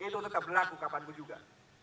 itu tetap berlaku kapanpun juga